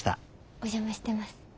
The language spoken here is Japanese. お邪魔してます。